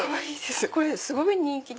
これすごい人気で。